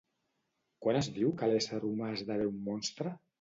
Quan es diu que l'ésser humà esdevé un monstre?